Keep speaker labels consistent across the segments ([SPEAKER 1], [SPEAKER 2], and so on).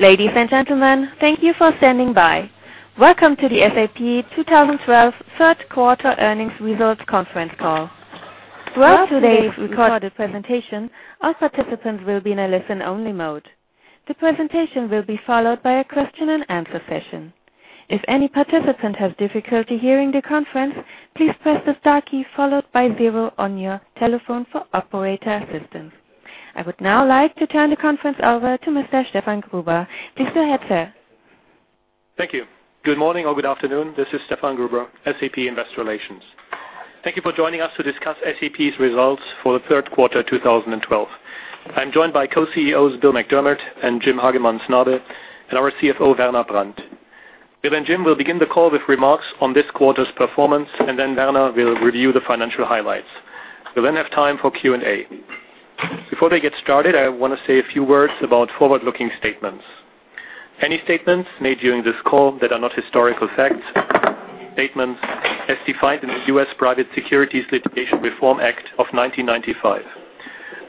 [SPEAKER 1] Ladies and gentlemen, thank you for standing by. Welcome to the SAP 2012 third quarter earnings results conference call. Throughout today's recorded presentation, all participants will be in a listen-only mode. The presentation will be followed by a question and answer session. If any participant has difficulty hearing the conference, please press the star key followed by zero on your telephone for operator assistance. I would now like to turn the conference over to Mr. Stefan Ries. Please go ahead, sir.
[SPEAKER 2] Thank you. Good morning or good afternoon. This is Stefan Ries, SAP Investor Relations. Thank you for joining us to discuss SAP's results for the third quarter 2012. I am joined by Co-CEOs Bill McDermott and Jim Hagemann Snabe, and our CFO, Werner Brandt. Bill and Jim will begin the call with remarks on this quarter's performance, and then Werner will review the financial highlights. We will then have time for Q&A. Before they get started, I want to say a few words about forward-looking statements. Any statements made during this call that are not historical facts, statements as defined in the U.S. Private Securities Litigation Reform Act of 1995.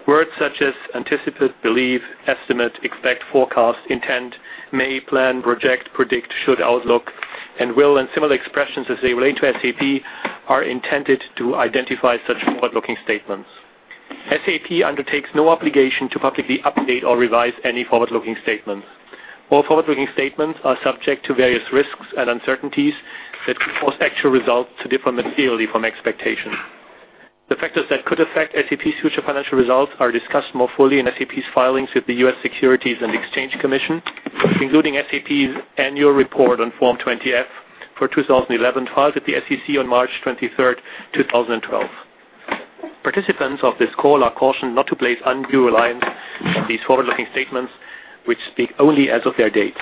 [SPEAKER 2] Words such as anticipate, believe, estimate, expect, forecast, intend, may, plan, project, predict, should, outlook, and will, and similar expressions as they relate to SAP, are intended to identify such forward-looking statements. SAP undertakes no obligation to publicly update or revise any forward-looking statements. All forward-looking statements are subject to various risks and uncertainties that could cause actual results to differ materially from expectations. The factors that could affect SAP's future financial results are discussed more fully in SAP's filings with the U.S. Securities and Exchange Commission, including SAP's annual report on Form 20-F for 2011, filed with the SEC on March 23rd, 2012. Participants of this call are cautioned not to place undue reliance on these forward-looking statements, which speak only as of their date.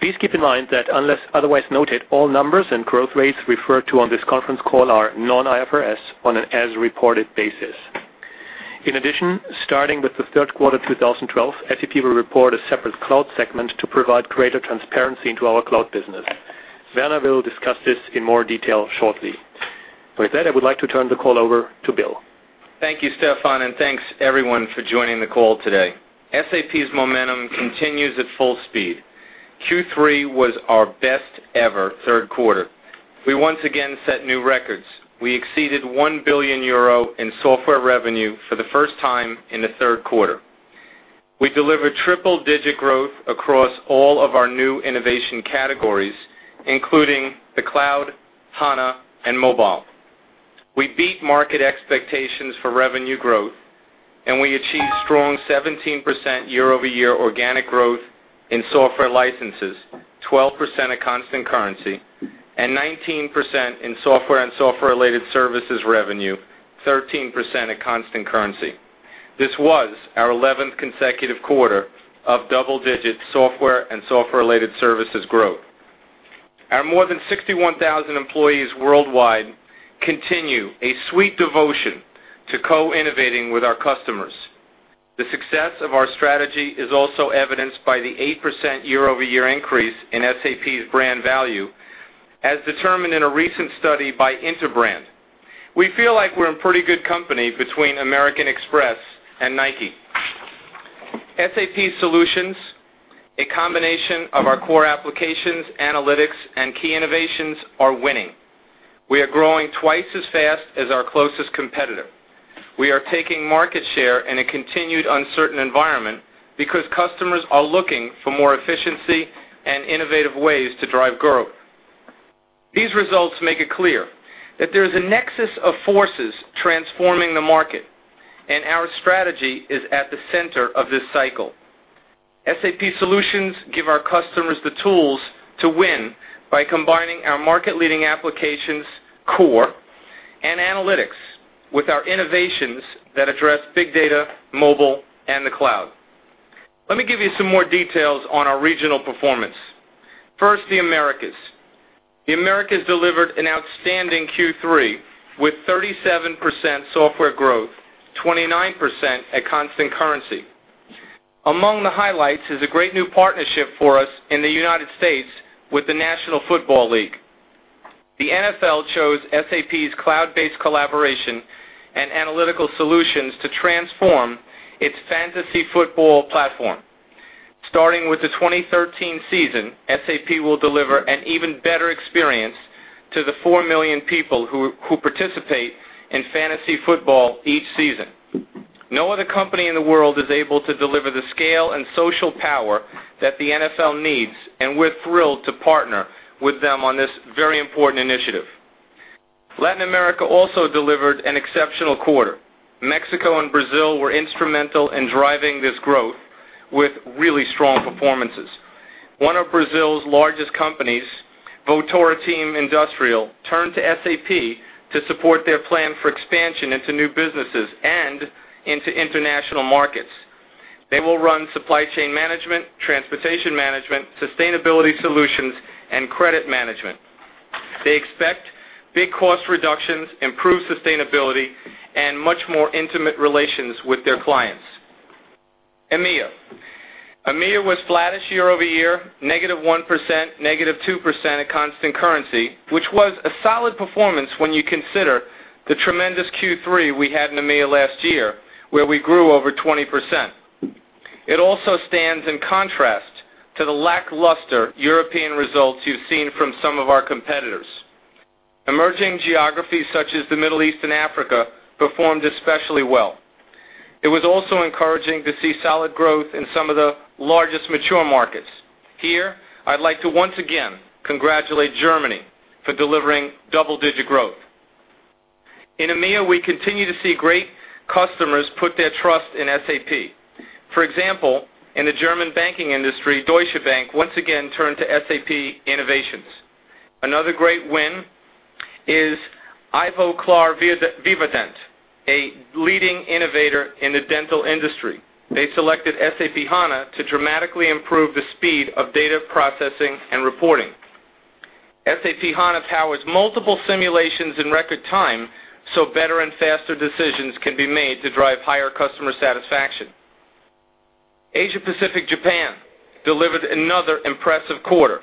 [SPEAKER 2] Please keep in mind that unless otherwise noted, all numbers and growth rates referred to on this conference call are non-IFRS on an as reported basis. In addition, starting with the third quarter 2012, SAP will report a separate cloud segment to provide greater transparency into our cloud business. Werner will discuss this in more detail shortly. With that, I would like to turn the call over to Bill.
[SPEAKER 3] Thank you, Stefan, and thanks everyone for joining the call today. SAP's momentum continues at full speed. Q3 was our best ever third quarter. We once again set new records. We exceeded 1 billion euro in software revenue for the first time in the third quarter. We delivered triple-digit growth across all of our new innovation categories, including the cloud, HANA, and mobile. We beat market expectations for revenue growth, and we achieved strong 17% year-over-year organic growth in software licenses, 12% at constant currency, and 19% in software and software-related services revenue, 13% at constant currency. This was our 11th consecutive quarter of double-digit software and software-related services growth. Our more than 61,000 employees worldwide continue a sweet devotion to co-innovating with our customers. The success of our strategy is also evidenced by the 8% year-over-year increase in SAP's brand value, as determined in a recent study by Interbrand. We feel like we're in pretty good company between American Express and Nike. SAP solutions, a combination of our core applications, analytics, and key innovations are winning. We are growing twice as fast as our closest competitor. We are taking market share in a continued uncertain environment because customers are looking for more efficiency and innovative ways to drive growth. These results make it clear that there is a nexus of forces transforming the market, and our strategy is at the center of this cycle. SAP solutions give our customers the tools to win by combining our market-leading applications core and analytics with our innovations that address big data, mobile, and the cloud. Let me give you some more details on our regional performance. First, the Americas. The Americas delivered an outstanding Q3 with 37% software growth, 29% at constant currency. Among the highlights is a great new partnership for us in the U.S. with the National Football League. The NFL chose SAP's cloud-based collaboration and analytical solutions to transform its fantasy football platform. Starting with the 2013 season, SAP will deliver an even better experience to the four million people who participate in fantasy football each season. No other company in the world is able to deliver the scale and social power that the NFL needs, and we're thrilled to partner with them on this very important initiative. Latin America also delivered an exceptional quarter. Mexico and Brazil were instrumental in driving this growth with really strong performances. One of Brazil's largest companies, Votorantim Industrial, turned to SAP to support their plan for expansion into new businesses and into international markets. They will run supply chain management, transportation management, sustainability solutions, and credit management. They expect big cost reductions, improved sustainability, and much more intimate relations with their clients. EMEA. EMEA was flattish year-over-year, negative 1%, negative 2% at constant currency, which was a solid performance when you consider the tremendous Q3 we had in EMEA last year, where we grew over 20%. It also stands in contrast to the lackluster European results you've seen from some of our competitors. Emerging geographies such as the Middle East and Africa performed especially well. It was also encouraging to see solid growth in some of the largest mature markets. Here, I'd like to once again congratulate Germany for delivering double-digit growth. In EMEA, we continue to see great customers put their trust in SAP. For example, in the German banking industry, Deutsche Bank once again turned to SAP innovations. Another great win is Ivoclar Vivadent, a leading innovator in the dental industry. They selected SAP HANA to dramatically improve the speed of data processing and reporting. SAP HANA powers multiple simulations in record time, so better and faster decisions can be made to drive higher customer satisfaction. Asia-Pacific Japan delivered another impressive quarter,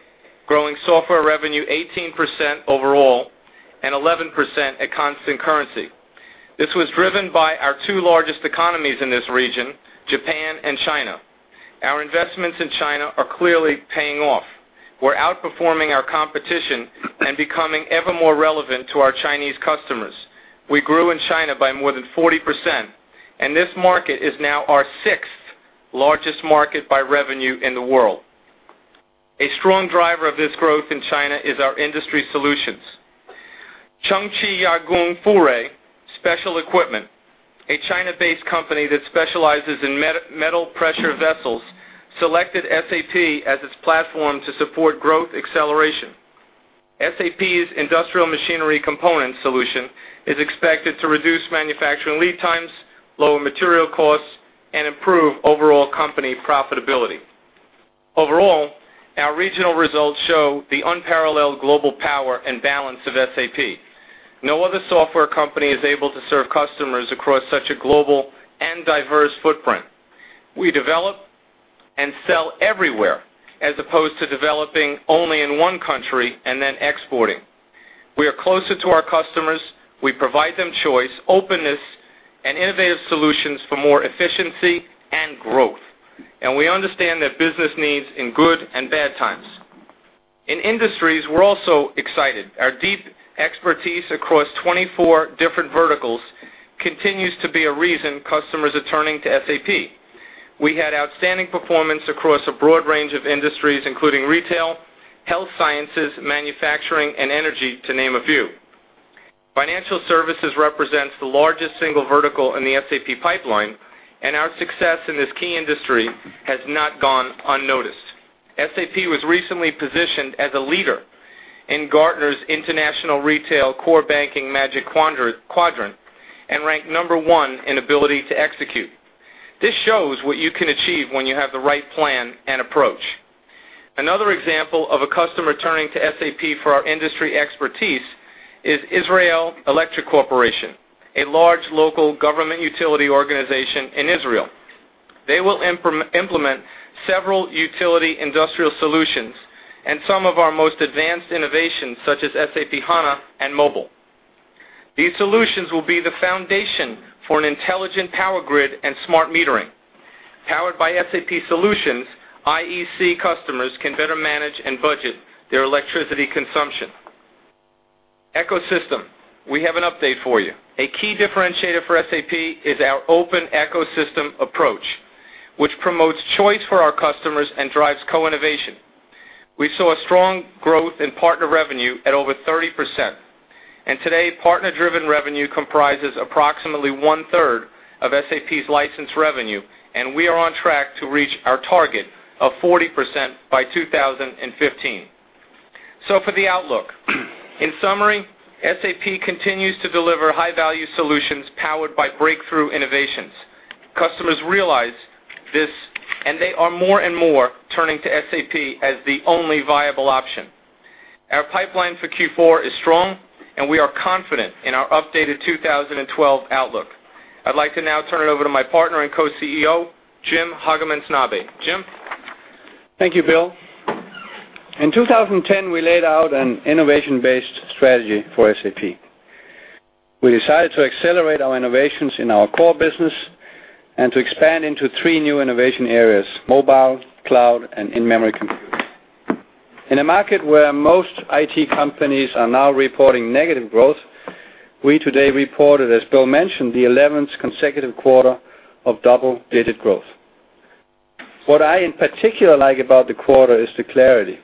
[SPEAKER 3] growing software revenue 18% overall and 11% at constant currency. This was driven by our two largest economies in this region, Japan and China. Our investments in China are clearly paying off. We're outperforming our competition and becoming ever more relevant to our Chinese customers. We grew in China by more than 40%, and this market is now our sixth-largest market by revenue in the world. A strong driver of this growth in China is our industry solutions. Chongqing Yagong Furay Special Equipment, a China-based company that specializes in metal pressure vessels, selected SAP as its platform to support growth acceleration. SAP's industrial machinery component solution is expected to reduce manufacturing lead times, lower material costs, and improve overall company profitability. Overall, our regional results show the unparalleled global power and balance of SAP. No other software company is able to serve customers across such a global and diverse footprint. We develop and sell everywhere, as opposed to developing only in one country and then exporting. We are closer to our customers. We provide them choice, openness, and innovative solutions for more efficiency and growth. We understand their business needs in good and bad times. In industries, we're also excited. Our deep expertise across 24 different verticals continues to be a reason customers are turning to SAP. We had outstanding performance across a broad range of industries, including retail, health sciences, manufacturing, and energy, to name a few. Financial services represents the largest single vertical in the SAP pipeline, and our success in this key industry has not gone unnoticed. SAP was recently positioned as a leader in Gartner's international retail core banking Magic Quadrant, and ranked number 1 in ability to execute. This shows what you can achieve when you have the right plan and approach. Another example of a customer turning to SAP for our industry expertise is Israel Electric Corporation, a large local government utility organization in Israel. They will implement several utility industrial solutions and some of our most advanced innovations, such as SAP HANA and Mobile. These solutions will be the foundation for an intelligent power grid and smart metering. Powered by SAP solutions, IEC customers can better manage and budget their electricity consumption. Ecosystem, we have an update for you. A key differentiator for SAP is our open ecosystem approach, which promotes choice for our customers and drives co-innovation. We saw a strong growth in partner revenue at over 30%, and today, partner-driven revenue comprises approximately one-third of SAP's license revenue, and we are on track to reach our target of 40% by 2015. For the outlook. In summary, SAP continues to deliver high-value solutions powered by breakthrough innovations. Customers realize this, and they are more and more turning to SAP as the only viable option. Our pipeline for Q4 is strong, and we are confident in our updated 2012 outlook. I'd like to now turn it over to my partner and co-CEO, Jim Hagemann Snabe. Jim?
[SPEAKER 4] Thank you, Bill. In 2010, we laid out an innovation-based strategy for SAP. We decided to accelerate our innovations in our core business and to expand into three new innovation areas, mobile, cloud, and in-memory computing. In a market where most IT companies are now reporting negative growth, we today reported, as Bill mentioned, the 11th consecutive quarter of double-digit growth. What I in particular like about the quarter is the clarity.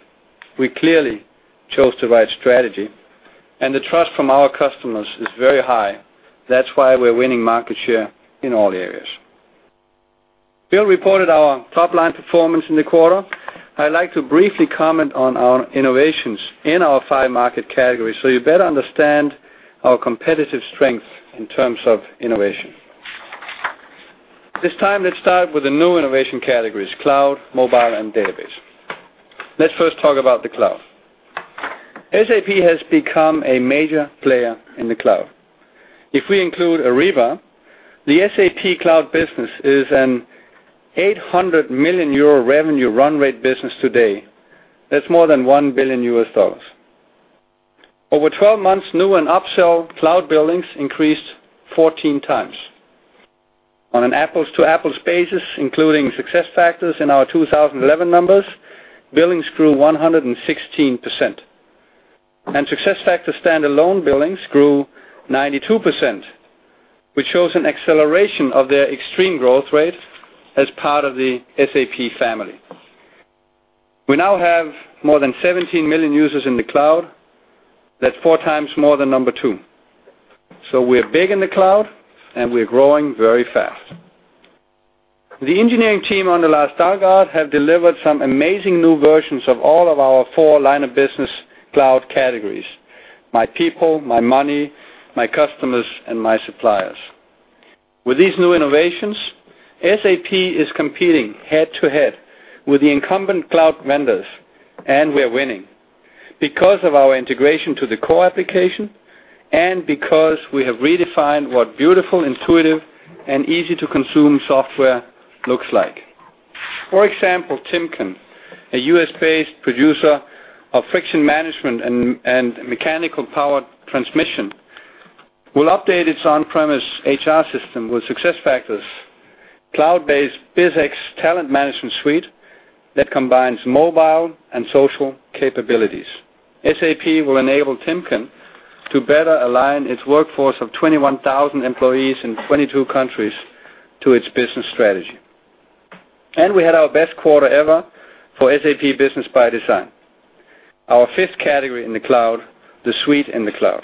[SPEAKER 4] We clearly chose the right strategy, and the trust from our customers is very high. That's why we're winning market share in all areas. Bill reported our top-line performance in the quarter. I'd like to briefly comment on our innovations in our five market categories, so you better understand our competitive strength in terms of innovation. This time, let's start with the new innovation categories, cloud, mobile, and database. Let's first talk about the cloud. SAP has become a major player in the cloud. If we include Ariba, the SAP cloud business is an 800 million euro revenue run rate business today. That's more than EUR 1 billion. Over 12 months, new and upsell cloud billings increased 14 times. On an apples-to-apples basis, including SuccessFactors in our 2011 numbers, billings grew 116%. SuccessFactors standalone billings grew 92%, which shows an acceleration of their extreme growth rate as part of the SAP family. We now have more than 17 million users in the cloud. That's four times more than number 2. We're big in the cloud, and we're growing very fast. The engineering team under Lars Dalgaard have delivered some amazing new versions of all of our four line of business cloud categories, My People, My Money, My Customers, and My Suppliers. With these new innovations, SAP is competing head-to-head with the incumbent cloud vendors, and we are winning because of our integration to the core application and because we have redefined what beautiful, intuitive, and easy-to-consume software looks like. For example, The Timken Company, a U.S.-based producer of friction management and mechanical power transmission, will update its on-premise HR system with SuccessFactors cloud-based BizX talent management suite that combines mobile and social capabilities. SAP will enable The Timken Company to better align its workforce of 21,000 employees in 22 countries to its business strategy. We had our best quarter ever for SAP Business ByDesign, our fifth category in the cloud, the suite in the cloud.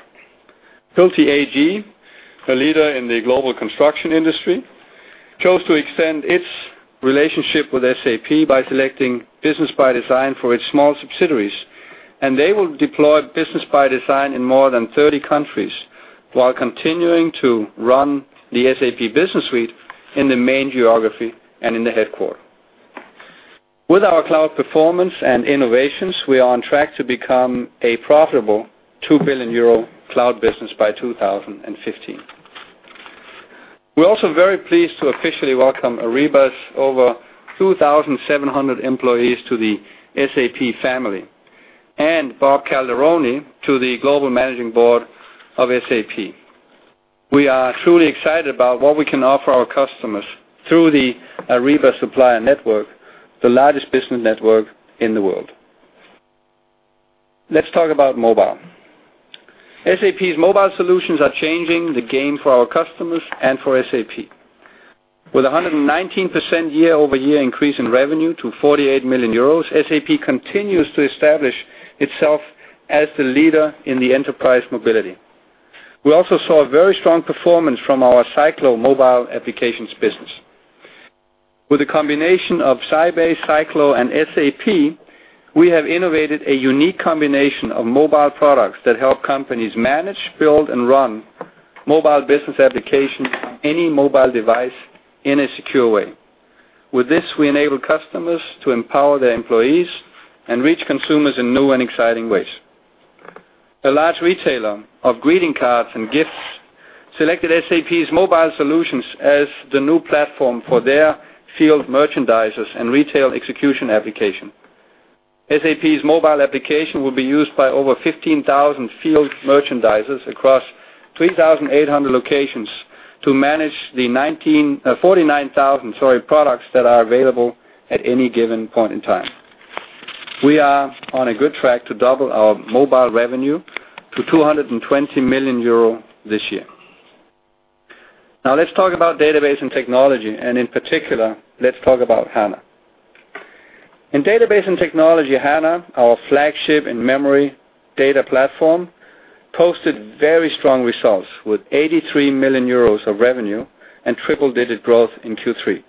[SPEAKER 4] Bilfinger SE, a leader in the global construction industry, chose to extend its relationship with SAP by selecting SAP Business ByDesign for its small subsidiaries, and they will deploy SAP Business ByDesign in more than 30 countries while continuing to run the SAP Business Suite in the main geography and in the headquarter. With our cloud performance and innovations, we are on track to become a profitable 2 billion euro cloud business by 2015. We're also very pleased to officially welcome Ariba's over 2,700 employees to the SAP family, and Bob Calderoni to the global managing board of SAP. We are truly excited about what we can offer our customers through the Ariba Network, the largest business network in the world. Let's talk about mobile. SAP's mobile solutions are changing the game for our customers and for SAP. With 119% year-over-year increase in revenue to 48 million euros, SAP continues to establish itself as the leader in enterprise mobility. We also saw a very strong performance from our Syclo Mobile applications business. With a combination of Sybase, Syclo, and SAP, we have innovated a unique combination of mobile products that help companies manage, build, and run mobile business applications on any mobile device in a secure way. With this, we enable customers to empower their employees and reach consumers in new and exciting ways. A large retailer of greeting cards and gifts selected SAP's mobile solutions as the new platform for their field merchandisers and retail execution application. SAP's mobile application will be used by over 15,000 field merchandisers across 3,800 locations to manage the 49,000 products that are available at any given point in time. We are on a good track to double our mobile revenue to 220 million euro this year. Let's talk about database and technology, and in particular, let's talk about HANA. In database and technology, HANA, our flagship in-memory data platform, posted very strong results with 83 million euros of revenue and triple-digit growth in Q3.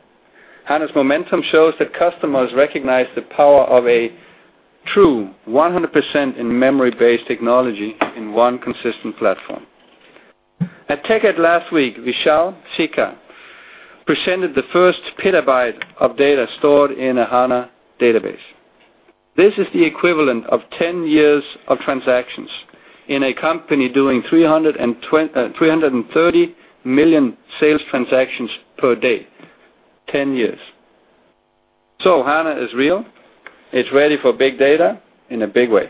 [SPEAKER 4] HANA's momentum shows that customers recognize the power of a true 100% in-memory based technology in one consistent platform. At TechEd last week, Vishal Sikka presented the first petabyte of data stored in a HANA database. This is the equivalent of 10 years of transactions in a company doing 330 million sales transactions per day. 10 years. HANA is real. It's ready for big data in a big way.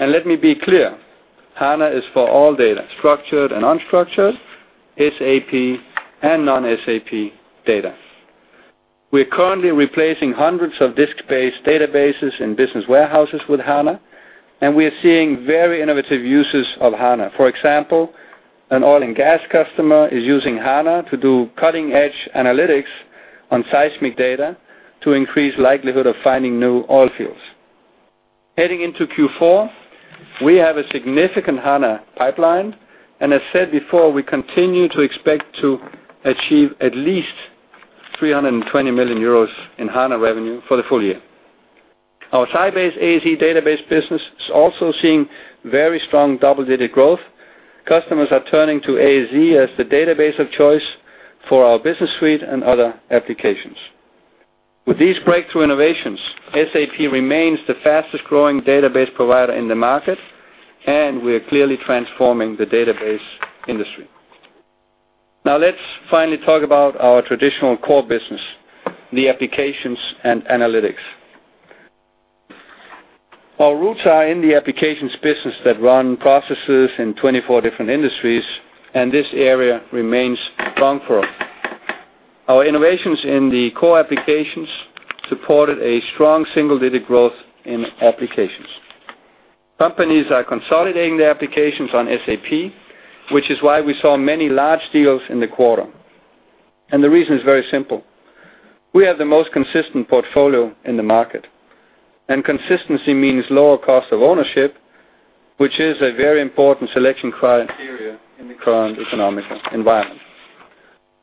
[SPEAKER 4] Let me be clear, HANA is for all data, structured and unstructured, SAP and non-SAP data. We're currently replacing hundreds of disk-based databases and business warehouses with HANA, and we are seeing very innovative uses of HANA. For example, an oil and gas customer is using HANA to do cutting-edge analytics on seismic data to increase the likelihood of finding new oil fields. Heading into Q4, we have a significant HANA pipeline, and as said before, we continue to expect to achieve at least 320 million euros in HANA revenue for the full year. Our Sybase ASE database business is also seeing very strong double-digit growth. Customers are turning to ASE as the database of choice for our Business Suite and other applications. With these breakthrough innovations, SAP remains the fastest-growing database provider in the market. We are clearly transforming the database industry. Let's finally talk about our traditional core business, the applications and analytics. Our roots are in the applications business that run processes in 24 different industries, and this area remains strong for us. Our innovations in the core applications supported a strong single-digit growth in applications. Companies are consolidating their applications on SAP, which is why we saw many large deals in the quarter. The reason is very simple. We have the most consistent portfolio in the market, and consistency means lower cost of ownership, which is a very important selection criterion in the current economical environment.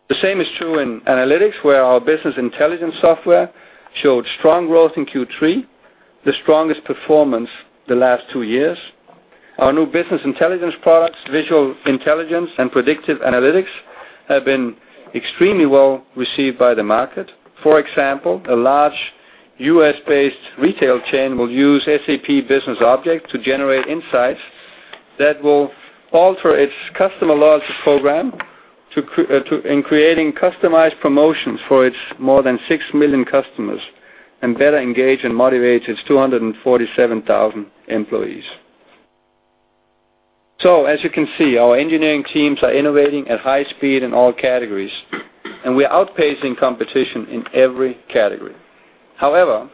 [SPEAKER 4] The same is true in analytics, where our business intelligence software showed strong growth in Q3, the strongest performance the last two years. Our new business intelligence products, Visual Intelligence, and Predictive Analysis, have been extremely well received by the market. For example, a large U.S.-based retail chain will use SAP BusinessObjects to generate insights that will alter its customer loyalty program in creating customized promotions for its more than 6 million customers and better engage and motivate its 247,000 employees. As you can see, our engineering teams are innovating at high speed in all categories, and we are outpacing competition in every category. However,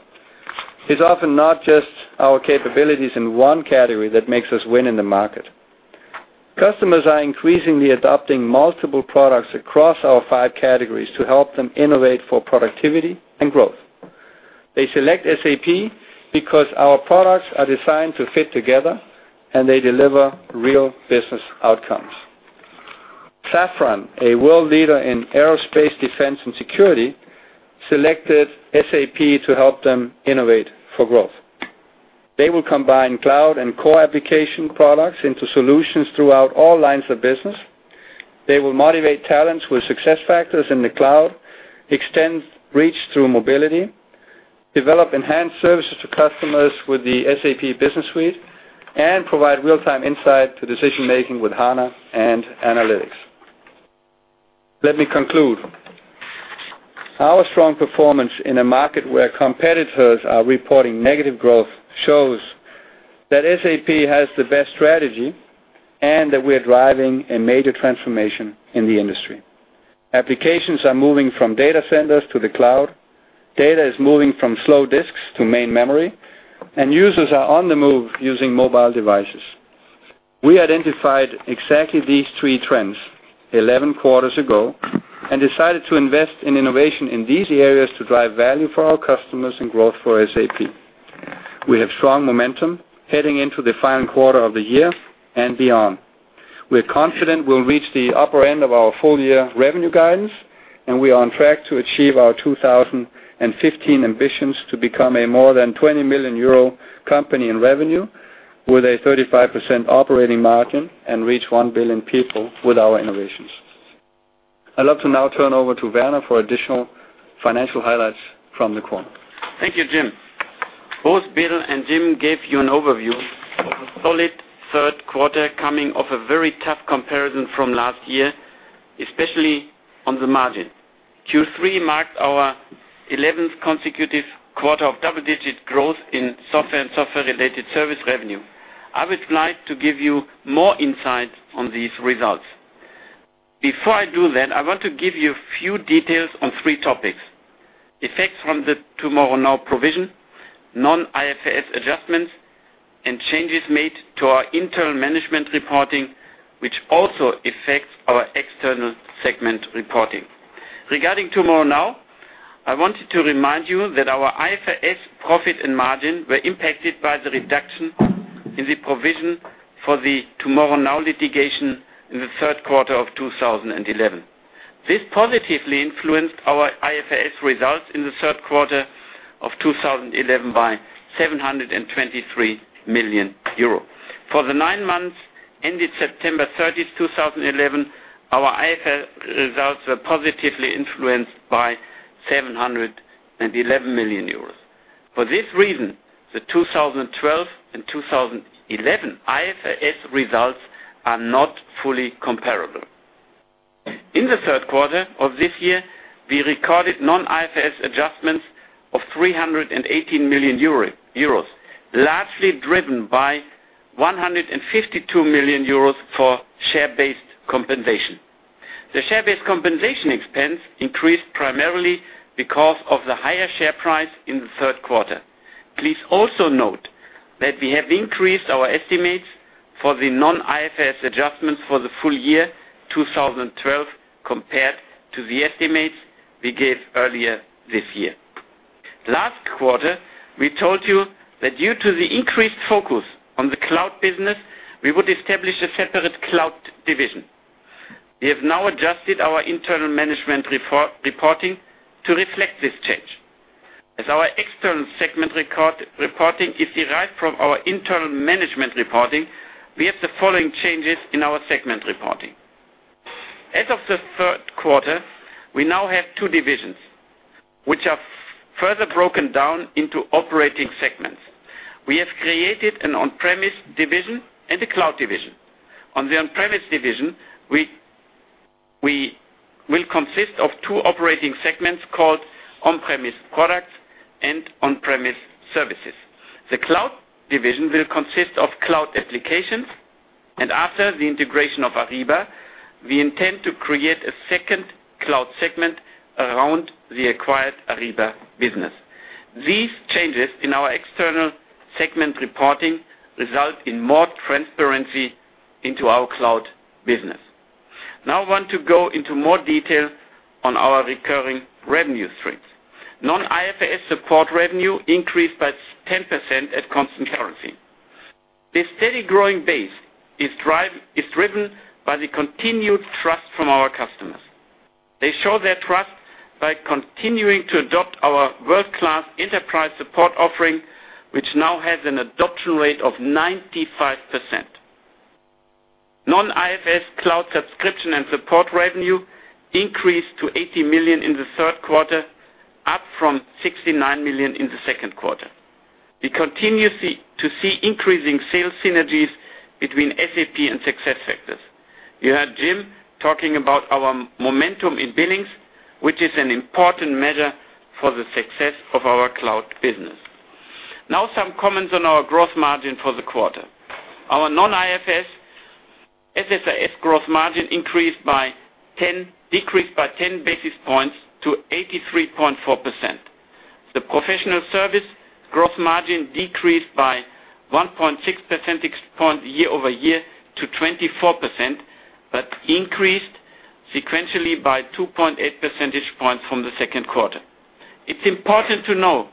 [SPEAKER 4] it's often not just our capabilities in one category that makes us win in the market. Customers are increasingly adopting multiple products across our 5 categories to help them innovate for productivity and growth. They select SAP because our products are designed to fit together, and they deliver real business outcomes. Safran, a world leader in aerospace, defense, and security, selected SAP to help them innovate for growth. They will combine cloud and core application products into solutions throughout all lines of business. They will motivate talents with SuccessFactors in the cloud, extend reach through mobility, develop enhanced services to customers with the SAP Business Suite, and provide real-time insight to decision-making with HANA and analytics. Let me conclude. Our strong performance in a market where competitors are reporting negative growth shows that SAP has the best strategy and that we're driving a major transformation in the industry. Applications are moving from data centers to the cloud. Data is moving from slow disks to main memory, and users are on the move using mobile devices. We identified exactly these three trends 11 quarters ago and decided to invest in innovation in these areas to drive value for our customers and growth for SAP. We have strong momentum heading into the final quarter of the year and beyond. We are confident we'll reach the upper end of our full-year revenue guidance, and we are on track to achieve our 2015 ambitions to become a more than 20 billion euro company in revenue with a 35% operating margin and reach 1 billion people with our innovations. I'd love to now turn over to Werner for additional financial highlights from the quarter.
[SPEAKER 5] Thank you, Jim. Both Bill and Jim gave you an overview of a solid third quarter coming off a very tough comparison from last year, especially on the margin. Q3 marked our 11th consecutive quarter of double-digit growth in Software and software-related service revenue. I would like to give you more insight on these results. Before I do that, I want to give you a few details on three topics. Effects from the TomorrowNow provision, non-IFRS adjustments, and changes made to our internal management reporting, which also affects our external segment reporting. Regarding TomorrowNow, I wanted to remind you that our IFRS profit and margin were impacted by the reduction in the provision for the TomorrowNow litigation in the third quarter of 2011. This positively influenced our IFRS results in the third quarter of 2011 by 723 million euro. For the nine months ended September 30th, 2011, our IFRS results were positively influenced by 711 million euros. For this reason, the 2012 and 2011 IFRS results are not fully comparable. In the third quarter of this year, we recorded non-IFRS adjustments of 318 million euro, largely driven by 152 million euros for share-based compensation. The share-based compensation expense increased primarily because of the higher share price in the third quarter. Please also note that we have increased our estimates for the non-IFRS adjustments for the full year 2012 compared to the estimates we gave earlier this year. Last quarter, we told you that due to the increased focus on the cloud business, we would establish a separate cloud division. We have now adjusted our internal management reporting to reflect this change. As our external segment reporting is derived from our internal management reporting, we have the following changes in our segment reporting. As of the third quarter, we now have two divisions, which are further broken down into operating segments. We have created an On-premise division and a Cloud division. The On-premise division will consist of two operating segments called On-premise Products and On-premise Services. The Cloud division will consist of Cloud Applications, and after the integration of Ariba, we intend to create a second Cloud Segment around the acquired Ariba business. These changes in our external segment reporting result in more transparency into our cloud business. Now I want to go into more detail on our recurring revenue streams. Non-IFRS support revenue increased by 10% at constant currency. This steady growing base is driven by the continued trust from our customers. They show their trust by continuing to adopt our world-class enterprise support offering, which now has an adoption rate of 95%. Non-IFRS cloud subscription and support revenue increased to 80 million EUR in the third quarter, up from 69 million EUR in the second quarter. We continue to see increasing sales synergies between SAP and SuccessFactors. You heard Jim talking about our momentum in billings, which is an important measure for the success of our cloud business. Now some comments on our gross margin for the quarter. Our non-IFRS SSRS gross margin decreased by 10 basis points to 83.4%. The professional service gross margin decreased by 1.6% year over year to 24%, but increased sequentially by 2.8 percentage points from the second quarter. It's important to know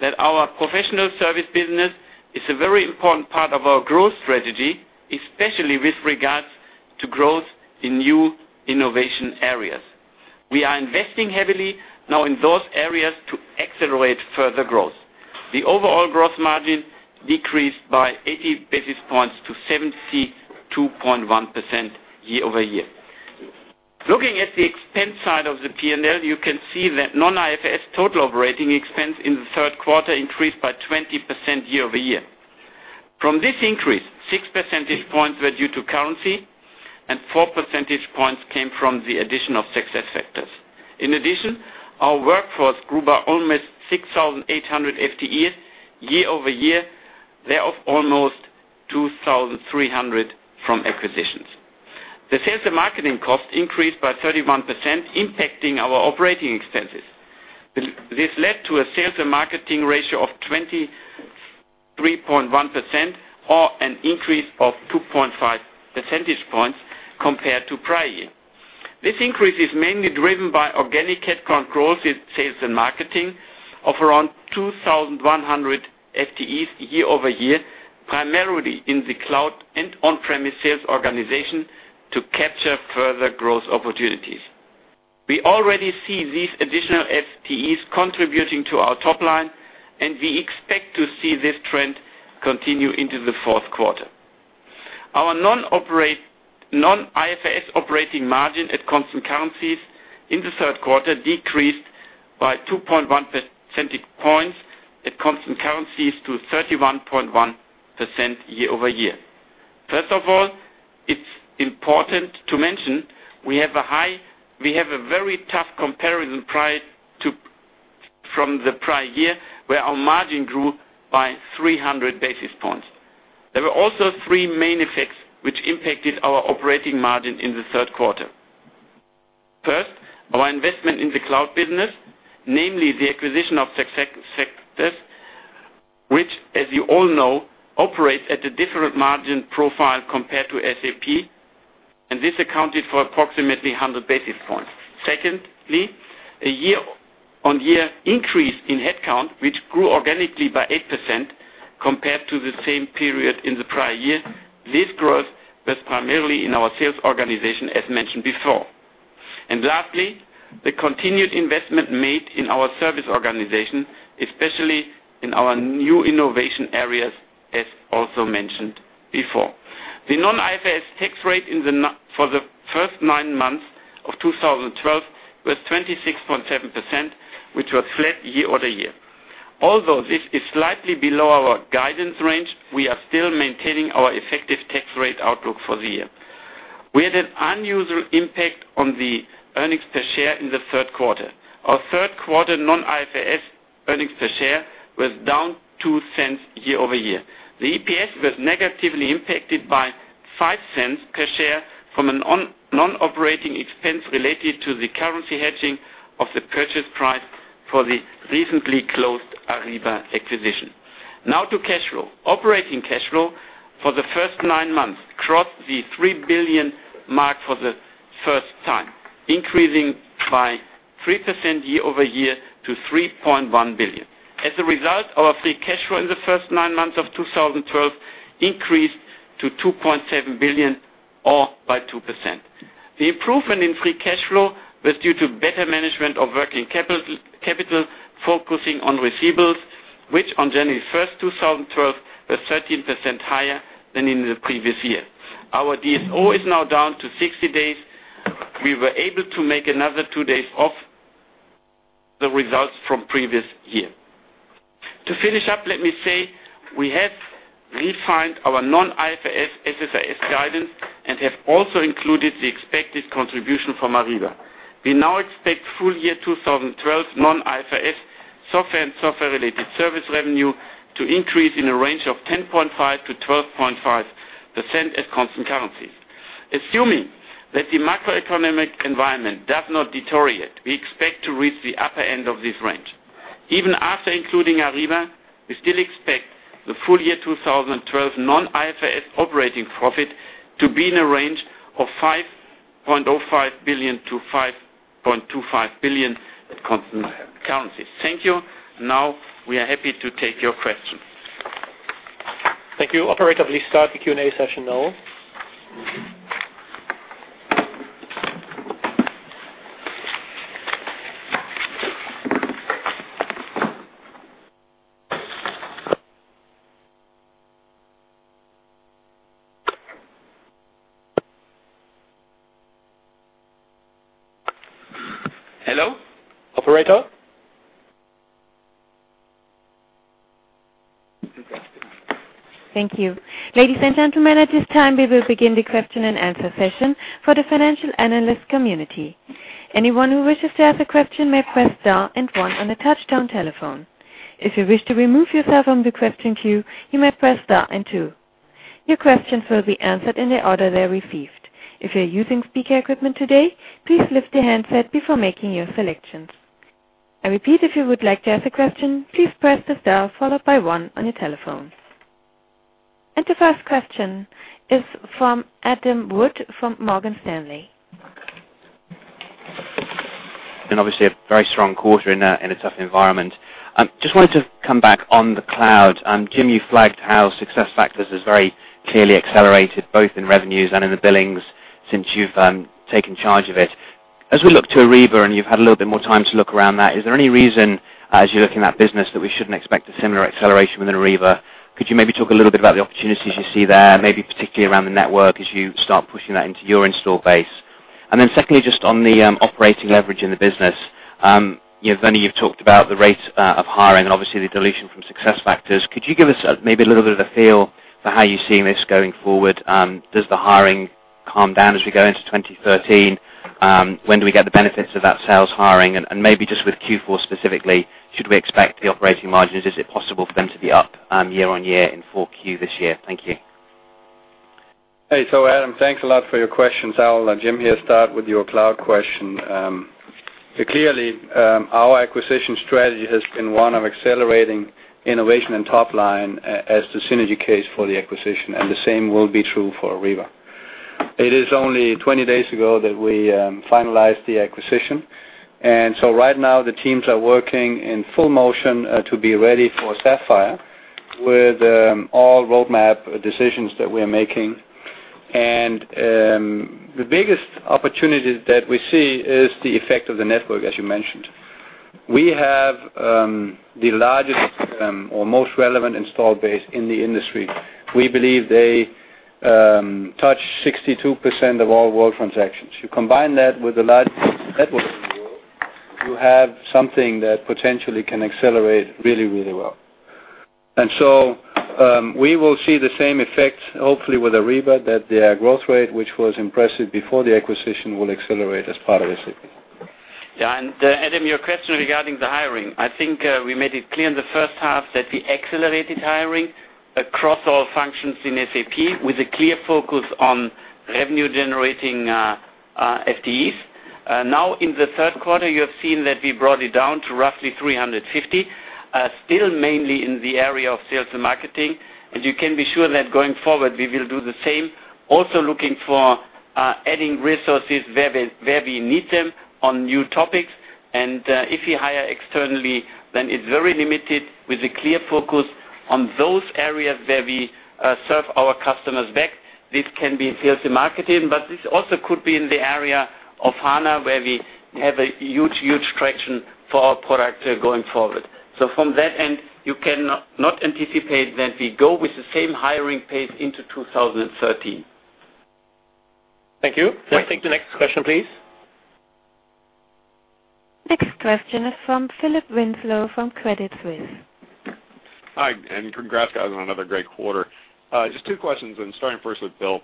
[SPEAKER 5] that our professional service business is a very important part of our growth strategy, especially with regards to growth in new innovation areas. We are investing heavily now in those areas to accelerate further growth. The overall gross margin decreased by 80 basis points to 72.1% year over year. Looking at the expense side of the P&L, you can see that non-IFRS total operating expense in the third quarter increased by 20% year over year. From this increase, six percentage points were due to currency and four percentage points came from the addition of SuccessFactors. In addition, our workforce grew by almost 6,800 FTEs year over year, thereof almost 2,300 from acquisitions. The sales and marketing cost increased by 31%, impacting our operating expenses. This led to a sales and marketing ratio of 23.1%, or an increase of 2.5 percentage points compared to prior year. This increase is mainly driven by organic headcount growth in sales and marketing of around 2,100 FTEs year-over-year, primarily in the cloud and on-premise sales organization to capture further growth opportunities. We already see these additional FTEs contributing to our top line, and we expect to see this trend continue into the fourth quarter. Our non-IFRS operating margin at constant currencies in the third quarter decreased by 2.1 percentage points at constant currencies to 31.1% year-over-year. First of all, it's important to mention we have a very tough comparison from the prior year, where our margin grew by 300 basis points. There were also three main effects which impacted our operating margin in the third quarter. First, our investment in the cloud business, namely the acquisition of SuccessFactors, which, as you all know, operates at a different margin profile compared to SAP, and this accounted for approximately 100 basis points. Secondly, a year-on-year increase in headcount, which grew organically by 8% compared to the same period in the prior year. This growth was primarily in our sales organization, as mentioned before. Lastly, the continued investment made in our service organization, especially in our new innovation areas, as also mentioned before. The non-IFRS tax rate for the first nine months of 2012 was 26.7%, which was flat year-over-year. Although this is slightly below our guidance range, we are still maintaining our effective tax rate outlook for the year. We had an unusual impact on the earnings per share in the third quarter. Our third quarter non-IFRS earnings per share was down 0.02 year-over-year. The EPS was negatively impacted by 0.05 per share from a non-operating expense related to the currency hedging of the purchase price for the recently closed Ariba acquisition. Now to cash flow. Operating cash flow for the first nine months crossed the 3 billion mark for the first time, increasing by 3% year-over-year to 3.1 billion. As a result, our free cash flow in the first nine months of 2012 increased to 2.7 billion, or by 2%. The improvement in free cash flow was due to better management of working capital, focusing on receivables Which on January 1st, 2012, was 13% higher than in the previous year. Our DSO is now down to 60 days. We were able to make another two days off the results from previous year. To finish up, let me say, we have refined our non-IFRS SSRS guidance and have also included the expected contribution from Ariba. We now expect full year 2012 non-IFRS software and software-related service revenue to increase in a range of 10.5%-12.5% at constant currency. Assuming that the macroeconomic environment does not deteriorate, we expect to reach the upper end of this range. Even after including Ariba, we still expect the full year 2012 non-IFRS operating profit to be in a range of 5.05 billion-5.25 billion at constant currency. Thank you. Now we are happy to take your questions.
[SPEAKER 2] Thank you. Operator, please start the Q&A session now.
[SPEAKER 5] Hello? Operator?
[SPEAKER 1] Thank you. Ladies and gentlemen, at this time we will begin the question and answer session for the financial analyst community. Anyone who wishes to ask a question may press star and one on the touchtone telephone. If you wish to remove yourself from the question queue, you may press star and two. Your questions will be answered in the order they're received. If you're using speaker equipment today, please lift your handset before making your selections. I repeat, if you would like to ask a question, please press the star followed by one on your telephones. The first question is from Adam Wood, from Morgan Stanley.
[SPEAKER 6] Obviously, a very strong quarter in a tough environment. Just wanted to come back on the cloud. Jim, you flagged how SuccessFactors has very clearly accelerated both in revenues and in the billings since you've taken charge of it. As we look to Ariba, you've had a little bit more time to look around that, is there any reason, as you look in that business, that we shouldn't expect a similar acceleration with Ariba? Could you maybe talk a little bit about the opportunities you see there, maybe particularly around the Ariba Network as you start pushing that into your install base? Then secondly, just on the operating leverage in the business. I know you've talked about the rate of hiring, and obviously the dilution from SuccessFactors. Could you give us maybe a little bit of a feel for how you see this going forward? Does the hiring calm down as we go into 2013? When do we get the benefits of that sales hiring? Maybe just with Q4 specifically, should we expect the operating margins, is it possible for them to be up year-on-year in 4Q this year? Thank you.
[SPEAKER 4] Hey. Adam, thanks a lot for your questions. I'll let Jim here start with your cloud question. Clearly, our acquisition strategy has been one of accelerating innovation and top line as the synergy case for the acquisition, the same will be true for Ariba. It is only 20 days ago that we finalized the acquisition. Right now the teams are working in full motion to be ready for SAP Sapphire with all roadmap decisions that we're making. The biggest opportunity that we see is the effect of the network, as you mentioned. We have the largest or most relevant install base in the industry. We believe they touch 62% of all world transactions. You combine that with the largest network in the world, you have something that potentially can accelerate really, really well. We will see the same effect, hopefully with Ariba, that their growth rate, which was impressive before the acquisition, will accelerate as part of SAP.
[SPEAKER 5] Yeah. Adam, your question regarding the hiring. I think we made it clear in the first half that we accelerated hiring across all functions in SAP with a clear focus on revenue-generating FTEs. Now in the third quarter, you have seen that we brought it down to roughly 350. Still mainly in the area of sales and marketing. You can be sure that going forward, we will do the same, also looking for adding resources where we need them on new topics. If we hire externally, then it's very limited with a clear focus on those areas where we serve our customers best. This can be sales and marketing, but this also could be in the area of HANA, where we have a huge traction for our product going forward. From that end, you cannot anticipate that we go with the same hiring pace into 2013.
[SPEAKER 2] Thank you. Can I take the next question, please?
[SPEAKER 1] Next question is from Philip Winslow from Credit Suisse.
[SPEAKER 7] Hi. Congrats, guys, on another great quarter. Just two questions. Starting first with Bill.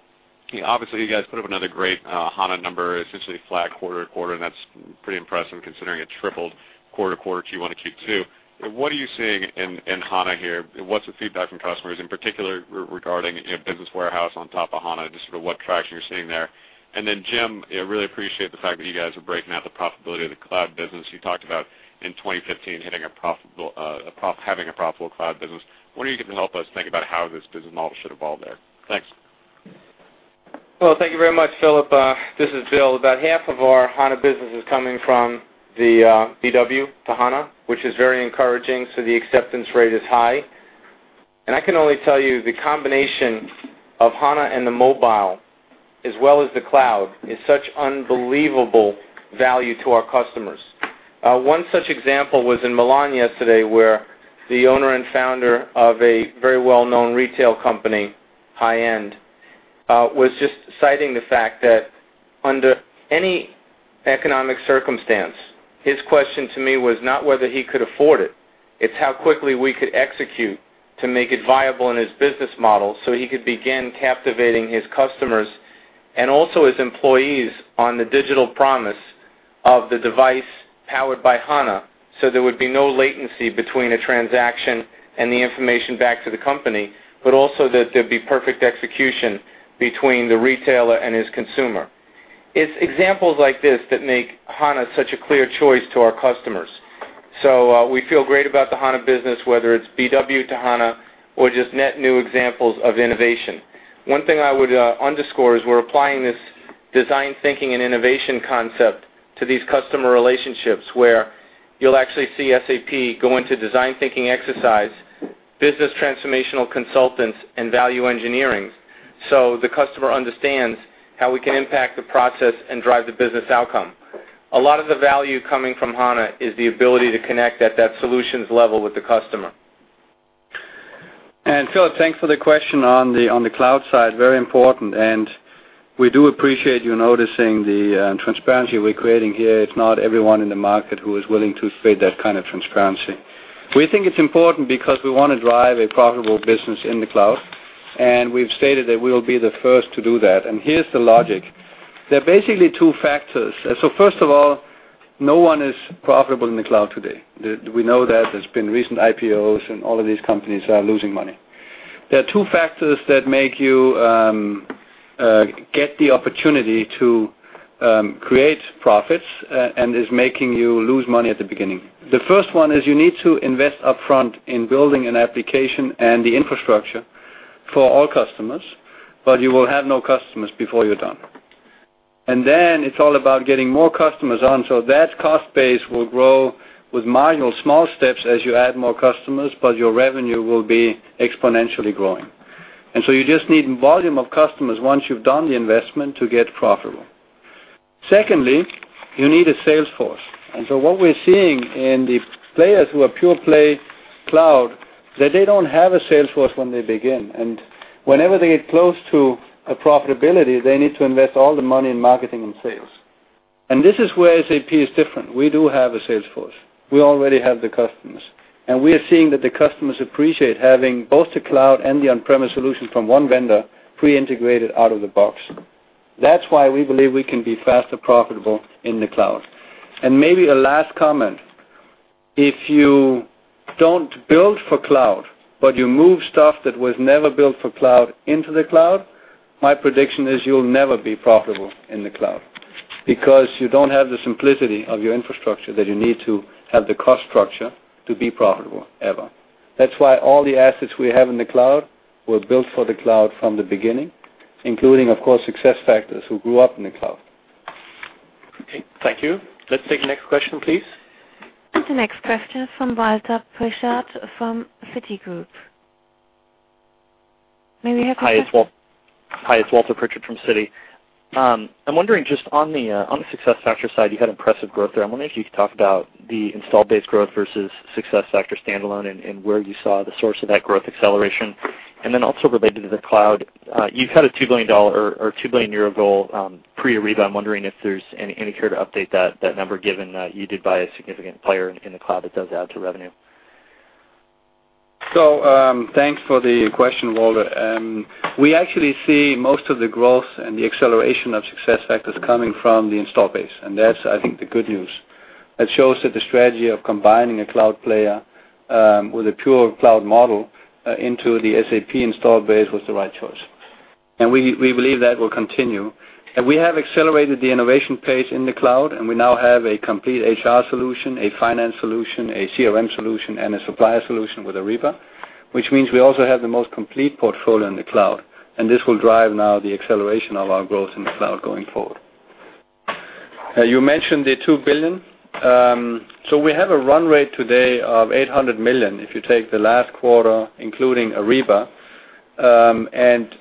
[SPEAKER 7] Obviously, you guys put up another great HANA number, essentially flat quarter-to-quarter. That's pretty impressive considering it tripled quarter-to-quarter Q1 to Q2. What are you seeing in HANA here? What's the feedback from customers, in particular regarding BW on HANA, just sort of what traction you're seeing there. Jim, I really appreciate the fact that you guys are breaking out the profitability of the cloud business. You talked about in 2015 having a profitable cloud business. What are you going to help us think about how this business model should evolve there? Thanks.
[SPEAKER 3] Thank you very much, Philip. This is Bill. About half of our HANA business is coming from the BW on HANA, which is very encouraging. The acceptance rate is high. I can only tell you the combination of HANA and the mobile, as well as the cloud, is such unbelievable value to our customers. One such example was in Milan yesterday, where the owner and founder of a very well-known retail company, high-end, was just citing the fact that under any economic circumstance, his question to me was not whether he could afford it's how quickly we could execute to make it viable in his business model so he could begin captivating his customers and also his employees on the digital promise of the device powered by HANA. There would be no latency between a transaction and the information back to the company, but also that there'd be perfect execution between the retailer and his consumer. It's examples like this that make HANA such a clear choice to our customers. We feel great about the HANA business, whether it's BW to 4HANA or just net new examples of innovation. One thing I would underscore is we're applying this design thinking and innovation concept to these customer relationships, where you'll actually see SAP go into design thinking exercise, business transformational consultants, and value engineering. The customer understands how we can impact the process and drive the business outcome. A lot of the value coming from HANA is the ability to connect at that solutions level with the customer.
[SPEAKER 4] Philip, thanks for the question on the cloud side, very important. We do appreciate you noticing the transparency we're creating here. It's not everyone in the market who is willing to create that kind of transparency. We think it's important because we want to drive a profitable business in the cloud, and we've stated that we will be the first to do that. Here's the logic. There are basically two factors. First of all, no one is profitable in the cloud today. We know that there's been recent IPOs, and all of these companies are losing money. There are two factors that get the opportunity to create profits and is making you lose money at the beginning. The first one is you need to invest upfront in building an application and the infrastructure for all customers. You will have no customers before you're done. Then it's all about getting more customers on. That cost base will grow with minor small steps as you add more customers. Your revenue will be exponentially growing. You just need volume of customers once you've done the investment to get profitable. Secondly, you need a sales force. What we're seeing in the players who are pure play cloud, that they don't have a sales force when they begin. Whenever they get close to a profitability, they need to invest all the money in marketing and sales. This is where SAP is different. We do have a sales force. We already have the customers. We are seeing that the customers appreciate having both the cloud and the on-premise solution from one vendor pre-integrated out of the box. That's why we believe we can be faster profitable in the cloud. Maybe a last comment. If you don't build for cloud, but you move stuff that was never built for cloud into the cloud, my prediction is you'll never be profitable in the cloud because you don't have the simplicity of your infrastructure that you need to have the cost structure to be profitable, ever. That's why all the assets we have in the cloud were built for the cloud from the beginning, including, of course, SuccessFactors who grew up in the cloud.
[SPEAKER 2] Okay, thank you. Let's take the next question, please.
[SPEAKER 1] The next question from Walter Pritchard from Citigroup.
[SPEAKER 8] Hi, it's Walter Pritchard from Citi. I'm wondering just on the SuccessFactors side, you had impressive growth there. I'm wondering if you could talk about the install base growth versus SuccessFactors standalone and where you saw the source of that growth acceleration. Also related to the cloud, you've had a EUR 2 billion goal, pre-Ariba. I'm wondering if there's any care to update that number, given that you did buy a significant player in the cloud that does add to revenue.
[SPEAKER 4] Thanks for the question, Walter. We actually see most of the growth and the acceleration of SuccessFactors coming from the install base, and that's, I think, the good news. It shows that the strategy of combining a cloud player with a pure cloud model into the SAP install base was the right choice. We believe that will continue. We have accelerated the innovation pace in the cloud, and we now have a complete HR solution, a finance solution, a CRM solution, and a supplier solution with Ariba, which means we also have the most complete portfolio in the cloud, and this will drive now the acceleration of our growth in the cloud going forward. You mentioned the 2 billion. We have a run rate today of 800 million, if you take the last quarter, including Ariba.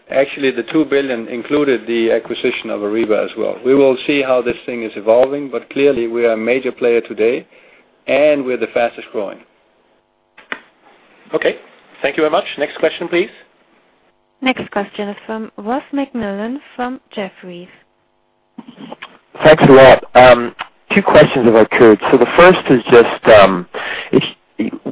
[SPEAKER 4] Actually, the 2 billion included the acquisition of Ariba as well. We will see how this thing is evolving, but clearly, we are a major player today, and we're the fastest growing.
[SPEAKER 2] Okay. Thank you very much. Next question, please.
[SPEAKER 1] Next question is from Ross MacMillan from Jefferies.
[SPEAKER 9] The first is just,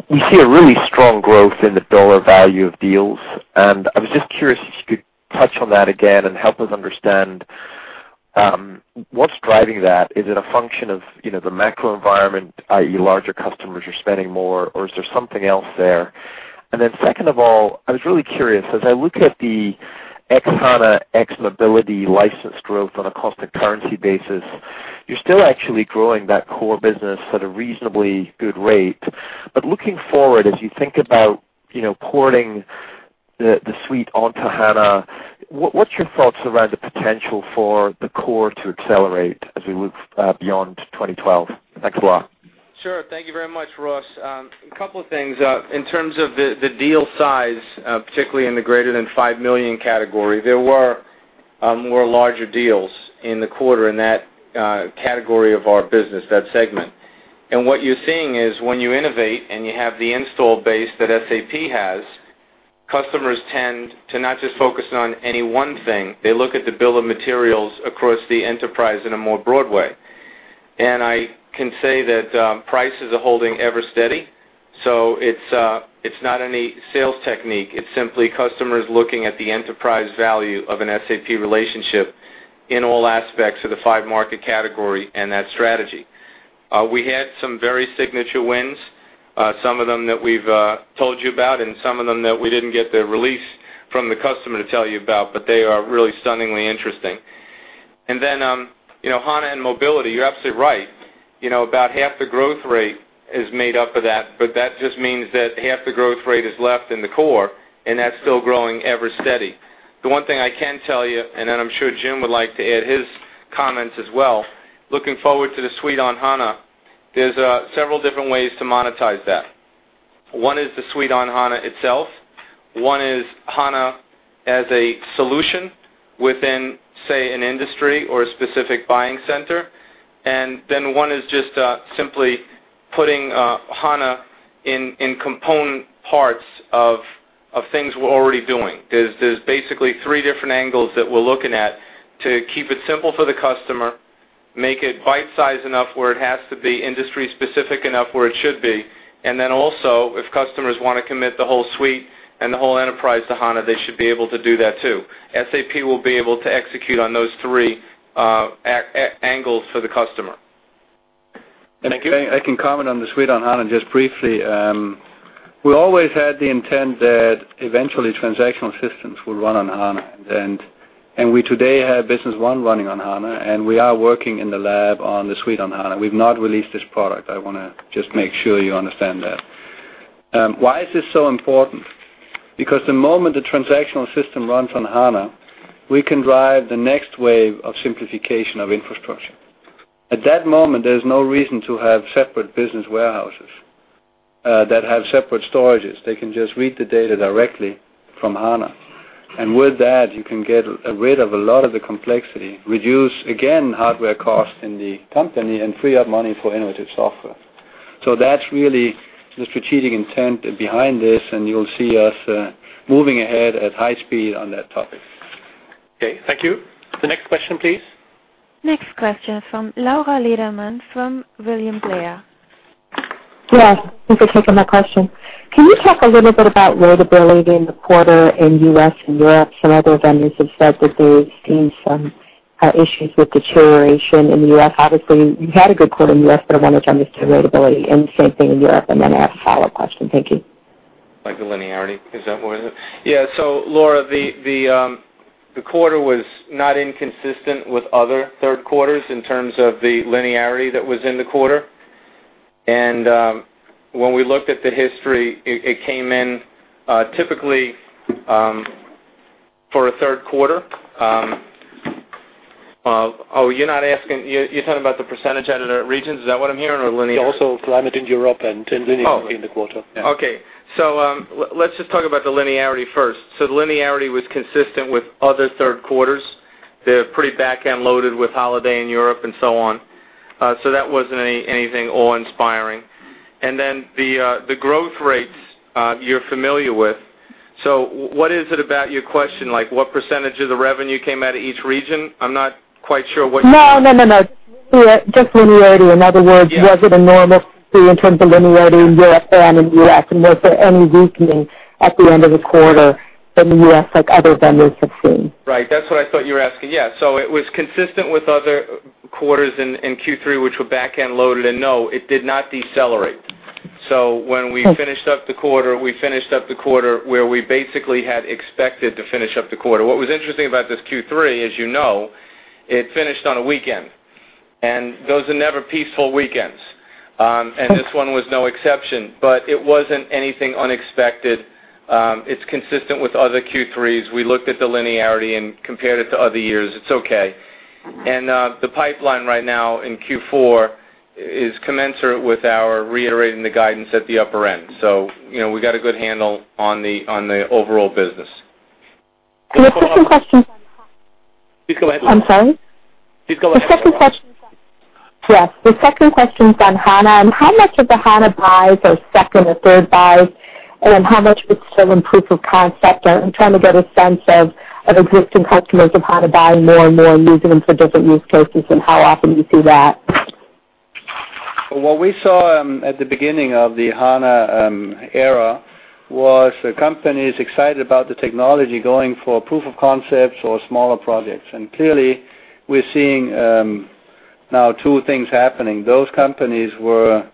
[SPEAKER 9] we see a really strong growth in the dollar value of deals, and I was just curious if you could touch on that again and help us understand what's driving that. Is it a function of the macro environment, i.e. larger customers are spending more, or is there something else there? Second of all, I was really curious, as I look at the ex-HANA, ex-mobility license growth on a constant currency basis, you're still actually growing that core business at a reasonably good rate. Looking forward, as you think about porting the suite onto HANA, what's your thoughts around the potential for the core to accelerate as we move beyond 2012? Thanks a lot.
[SPEAKER 3] Sure. Thank you very much, Ross. A couple of things. In terms of the deal size, particularly in the greater than 5 million category, there were more larger deals in the quarter in that category of our business, that segment. What you're seeing is when you innovate and you have the install base that SAP has, customers tend to not just focus on any one thing. They look at the bill of materials across the enterprise in a more broad way. I can say that prices are holding ever steady. It's not any sales technique. It's simply customers looking at the enterprise value of an SAP relationship in all aspects of the 5 market category and that strategy. We had some very signature wins, some of them that we've told you about and some of them that we didn't get the release from the customer to tell you about. They are really stunningly interesting. HANA and mobility, you're absolutely right. About half the growth rate is made up of that just means that half the growth rate is left in the core, that's still growing ever steady. The one thing I can tell you, I'm sure Jim would like to add his comments as well, looking forward to the suite on HANA, there's several different ways to monetize that. One is the suite on HANA itself. One is HANA as a solution within, say, an industry or a specific buying center. One is just simply putting HANA in component parts of things we're already doing. There's basically three different angles that we're looking at to keep it simple for the customer, make it bite-sized enough where it has to be industry specific enough where it should be. Also, if customers want to commit the whole suite and the whole enterprise to HANA, they should be able to do that too. SAP will be able to execute on those three angles for the customer.
[SPEAKER 4] If I can comment on the suite on HANA just briefly. We always had the intent that eventually transactional systems would run on HANA. We today have SAP Business One running on HANA, and we are working in the lab on the suite on HANA. We've not released this product. I want to just make sure you understand that. Why is this so important? Because the moment the transactional system runs on HANA, we can drive the next wave of simplification of infrastructure. At that moment, there's no reason to have separate Business Warehouses that have separate storages. They can just read the data directly from HANA. With that, you can get rid of a lot of the complexity, reduce, again, hardware costs in the company, and free up money for innovative software. That's really the strategic intent behind this, and you'll see us moving ahead at high speed on that topic.
[SPEAKER 2] Okay, thank you. The next question, please?
[SPEAKER 1] Next question from Laura Lederman from William Blair.
[SPEAKER 10] Thanks for taking my question. Can you talk a little bit about ratability in the quarter in U.S. and Europe? Some other vendors have said that they've seen some issues with deterioration in the U.S. Obviously, you've had a good quarter in U.S., but I wanted to understand ratability and the same thing in Europe, and then I have a follow-up question. Thank you.
[SPEAKER 3] Like the linearity, is that what it is? Yeah. Laura, the quarter was not inconsistent with other third quarters in terms of the linearity that was in the quarter. When we looked at the history, it came in typically for a third quarter. You're talking about the percentage out of the regions? Is that what I'm hearing? Or linearity?
[SPEAKER 4] Also climate in Europe and linearity-
[SPEAKER 3] Oh
[SPEAKER 4] in the quarter.
[SPEAKER 3] Let's just talk about the linearity first. The linearity was consistent with other third quarters. They're pretty back-end loaded with holiday in Europe and so on. That wasn't anything awe-inspiring. The growth rates, you're familiar with. What is it about your question? Like, what percentage of the revenue came out of each region? I'm not quite sure what you're-
[SPEAKER 10] No, no, no. Just linearity. In other words-
[SPEAKER 3] Yeah
[SPEAKER 10] Was it a normal C in terms of linearity in Europe and in U.S., and was there any weakening at the end of the quarter in the U.S. like other vendors have seen?
[SPEAKER 3] Right. That's what I thought you were asking. Yeah. It was consistent with other quarters in Q3, which were back-end loaded, and no, it did not decelerate. When we-
[SPEAKER 10] Okay
[SPEAKER 3] We finished up the quarter where we basically had expected to finish up the quarter. What was interesting about this Q3, as you know, it finished on a weekend. Those are never peaceful weekends. This one was no exception, but it wasn't anything unexpected. It's consistent with other Q3s. We looked at the linearity and compared it to other years. It's okay. The pipeline right now in Q4 is commensurate with our reiterating the guidance at the upper end. We got a good handle on the overall business.
[SPEAKER 10] The second question.
[SPEAKER 2] Please go ahead, Laura.
[SPEAKER 10] I'm sorry?
[SPEAKER 2] Please go ahead, Laura.
[SPEAKER 10] The second question. Yeah. The second question is on HANA. How much of the HANA buys are second or third buys, and how much of it still in proof of concept? I'm trying to get a sense of existing customers of HANA buying more and more and using them for different use cases, and how often you see that.
[SPEAKER 4] What we saw at the beginning of the HANA era was the company's excitement about the technology going for proof of concepts or smaller projects. Clearly, we're seeing now two things happening. Those companies were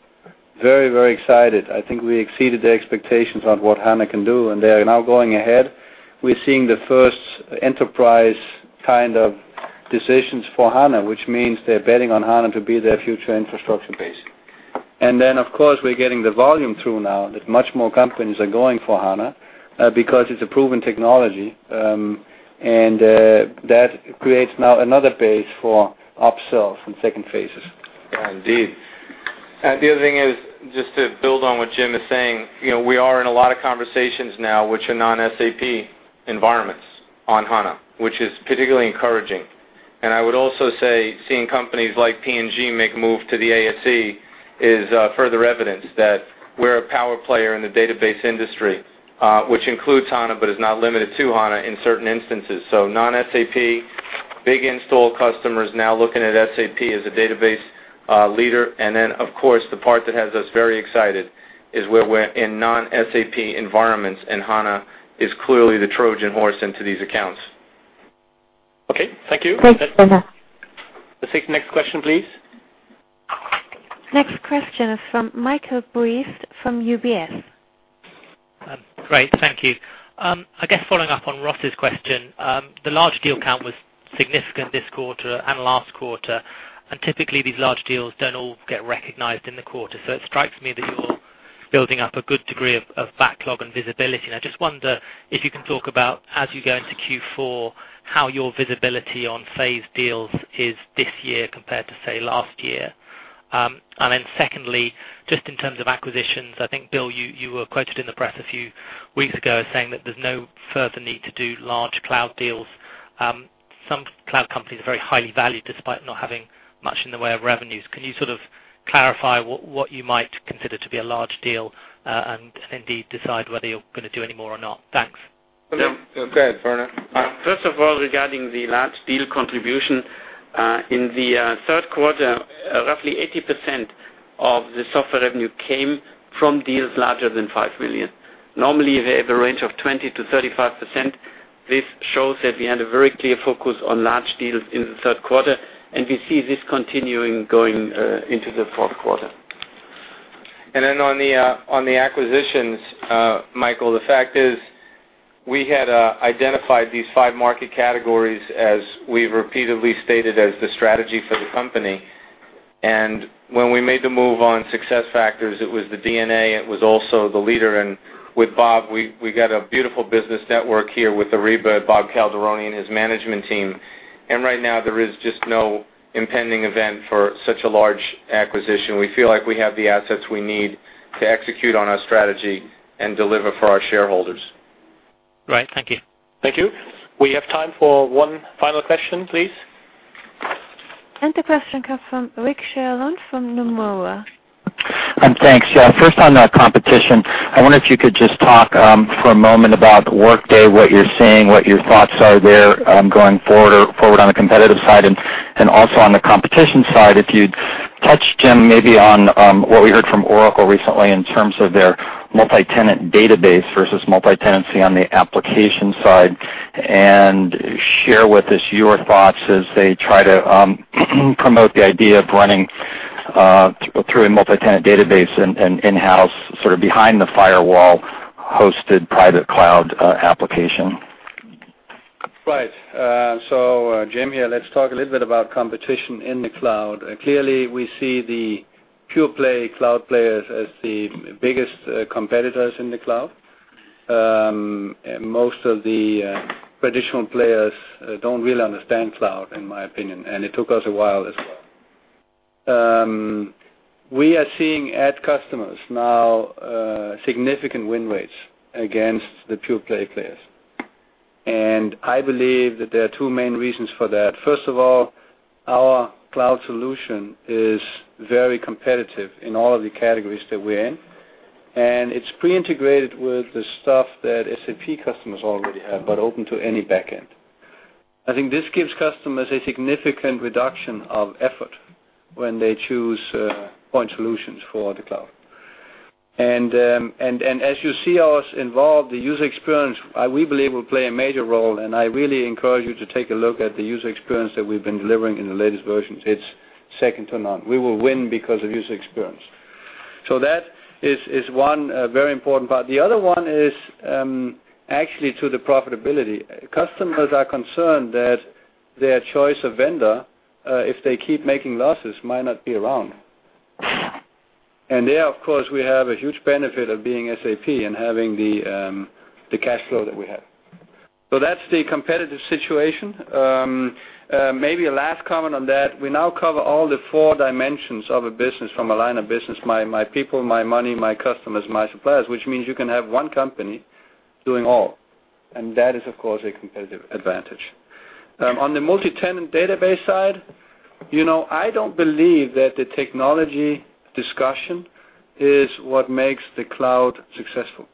[SPEAKER 4] very, very excited. I think we exceeded their expectations on what HANA can do. They are now going ahead. We're seeing the first enterprise kind of decisions for HANA, which means they're betting on HANA to be their future infrastructure base. Then, of course, we're getting the volume through now, that much more companies are going for HANA.
[SPEAKER 5] Because it's a proven technology, that creates now another base for upsells and second phases.
[SPEAKER 3] Yeah, indeed. The other thing is, just to build on what Jim is saying, we are in a lot of conversations now which are non-SAP environments on HANA, which is particularly encouraging. I would also say seeing companies like P&G make a move to the ASE is further evidence that we're a power player in the database industry, which includes HANA but is not limited to HANA in certain instances. Non-SAP, big install customers now looking at SAP as a database leader. Of course, the part that has us very excited is where we're in non-SAP environments, and HANA is clearly the Trojan horse into these accounts.
[SPEAKER 2] Okay. Thank you.
[SPEAKER 1] Great. Thanks.
[SPEAKER 2] Let's take next question, please.
[SPEAKER 1] Next question is from Michael Briest from UBS.
[SPEAKER 11] Great. Thank you. I guess following up on Ross's question, the large deal count was significant this quarter and last quarter. Typically these large deals don't all get recognized in the quarter. It strikes me that you're building up a good degree of backlog and visibility, and I just wonder if you can talk about, as you go into Q4, how your visibility on phased deals is this year compared to, say, last year. Secondly, just in terms of acquisitions, I think, Bill, you were quoted in the press a few weeks ago as saying that there's no further need to do large cloud deals. Some cloud companies are very highly valued despite not having much in the way of revenues. Can you sort of clarify what you might consider to be a large deal, indeed decide whether you're going to do any more or not? Thanks.
[SPEAKER 3] Go ahead, Werner.
[SPEAKER 5] First of all, regarding the large deal contribution, in the third quarter, roughly 80% of the software revenue came from deals larger than 5 million. Normally, we have a range of 20%-35%. This shows that we had a very clear focus on large deals in the third quarter. We see this continuing going into the fourth quarter.
[SPEAKER 3] On the acquisitions, Michael, the fact is we had identified these five market categories as we've repeatedly stated as the strategy for the company. When we made the move on SuccessFactors, it was the DNA, it was also the leader. With Bob, we got a beautiful business network here with Ariba, Bob Calderoni, and his management team. Right now there is just no impending event for such a large acquisition. We feel like we have the assets we need to execute on our strategy and deliver for our shareholders.
[SPEAKER 11] Right. Thank you.
[SPEAKER 5] Thank you. We have time for one final question, please.
[SPEAKER 1] The question comes from Rick Sherlund from Nomura.
[SPEAKER 12] Thanks. First on competition, I wonder if you could just talk for a moment about Workday, what you're seeing, what your thoughts are there going forward on the competitive side. Also on the competition side, if you'd touch, Jim, maybe on what we heard from Oracle recently in terms of their multi-tenant database versus multi-tenancy on the application side. Share with us your thoughts as they try to promote the idea of running through a multi-tenant database and in-house, sort of behind-the-firewall hosted private cloud application.
[SPEAKER 4] Right. Jim here, let's talk a little bit about competition in the cloud. Clearly, we see the pure play cloud players as the biggest competitors in the cloud. Most of the traditional players don't really understand cloud, in my opinion, and it took us a while as well. We are seeing, at customers now, significant win rates against the pure play players. I believe that there are two main reasons for that. First of all, our cloud solution is very competitive in all of the categories that we're in, and it's pre-integrated with the stuff that SAP customers already have, but open to any back end. I think this gives customers a significant reduction of effort when they choose point solutions for the cloud.
[SPEAKER 5] As you see us evolve the user experience, we believe will play a major role, and I really encourage you to take a look at the user experience that we've been delivering in the latest versions. It's second to none. We will win because of user experience. That is one very important part. The other one is actually to the profitability. Customers are concerned that their choice of vendor, if they keep making losses, might not be around. There, of course, we have a huge benefit of being SAP and having the cash flow that we have. That's the competitive situation.
[SPEAKER 4] Maybe a last comment on that, we now cover all the four dimensions of a business from a line of business, My People, My Money, My Customers, My Suppliers, which means you can have one company doing all, and that is, of course, a competitive advantage. On the multi-tenant database side, I don't believe that the technology discussion is what makes the cloud successful.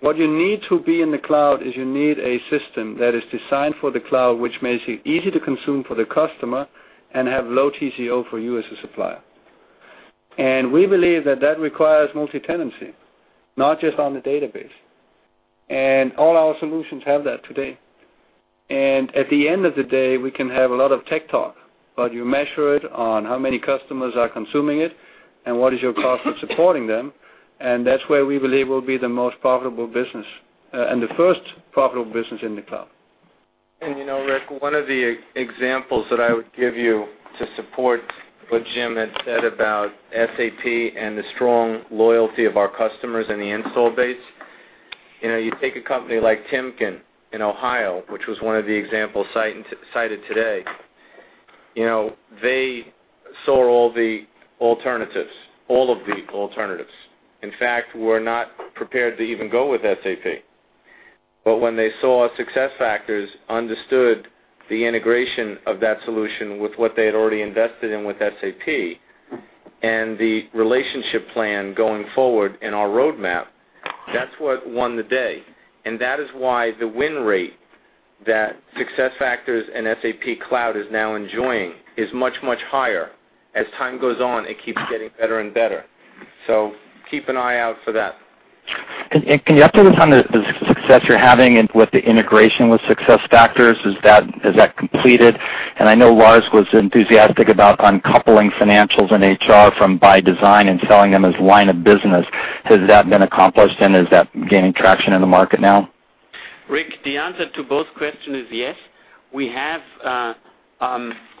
[SPEAKER 4] What you need to be in the cloud is you need a system that is designed for the cloud, which makes it easy to consume for the customer and have low TCO for you as a supplier. We believe that requires multi-tenancy, not just on the database. All our solutions have that today.
[SPEAKER 5] At the end of the day, we can have a lot of tech talk, but you measure it on how many customers are consuming it and what is your cost of supporting them, and that's where we believe will be the most profitable business and the first profitable business in the cloud.
[SPEAKER 3] Rick, one of the examples that I would give you to support what Jim had said about SAP and the strong loyalty of our customers and the install base. You take a company like Timken in Ohio, which was one of the examples cited today. They saw all the alternatives, all of the alternatives. In fact, were not prepared to even go with SAP. When they saw SuccessFactors understood the integration of that solution with what they had already invested in with SAP, and the relationship plan going forward and our roadmap, that's what won the day. That is why the win rate that SuccessFactors and SAP Cloud is now enjoying is much, much higher. As time goes on, it keeps getting better and better. Keep an eye out for that.
[SPEAKER 12] Can you update us on the success you're having with the integration with SuccessFactors? Is that completed? I know Lars was enthusiastic about uncoupling financials and HR from ByDesign and selling them as line of business. Has that been accomplished, and is that gaining traction in the market now?
[SPEAKER 5] Rick, the answer to both question is yes.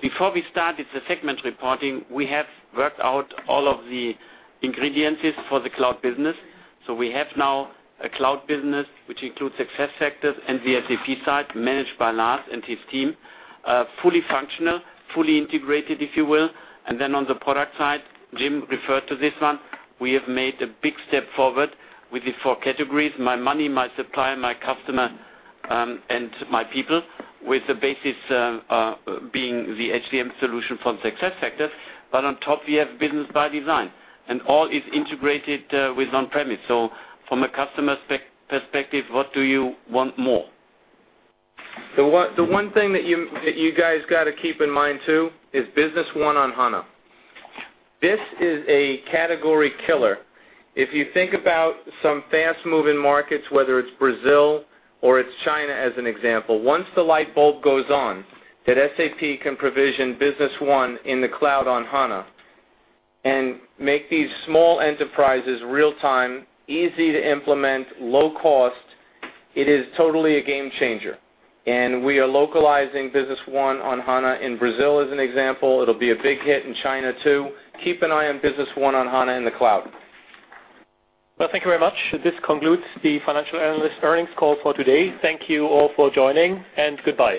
[SPEAKER 5] Before we started the segment reporting, we have worked out all of the ingredients for the cloud business. We have now a cloud business, which includes SuccessFactors and the SAP side managed by Lars and his team, fully functional, fully integrated, if you will. Then on the product side, Jim referred to this one, we have made a big step forward with the four categories, My Money, My Suppliers, My Customers, and My People, with the basis being the HCM solution from SuccessFactors. On top, we have Business ByDesign, and all is integrated with on-premise. From a customer perspective, what do you want more?
[SPEAKER 3] The one thing that you guys got to keep in mind too, is Business One on HANA. This is a category killer. If you think about some fast-moving markets, whether it's Brazil or it's China, as an example, once the light bulb goes on that SAP can provision Business One in the cloud on HANA and make these small enterprises real-time, easy to implement, low cost, it is totally a game changer. We are localizing Business One on HANA in Brazil, as an example. It'll be a big hit in China, too. Keep an eye on Business One on HANA in the cloud.
[SPEAKER 2] Well, thank you very much. This concludes the financial analyst earnings call for today. Thank you all for joining, and goodbye.